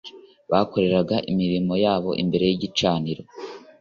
bakoreraga imirimo yabo imbere y'igicaniro.